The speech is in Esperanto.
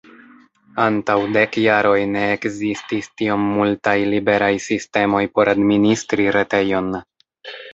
Antaŭ dek jaroj ne ekzistis tiom multaj liberaj sistemoj por administri retejon.